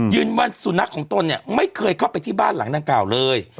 ยืนว่าสุนัขของตนไม่เคยเข้าไปที่บ้านหลังด้านกล่าวเลย